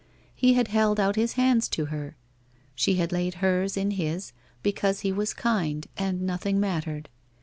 He had held out his hand to her. She had laid hers in his because he was kind, and nothing mattered.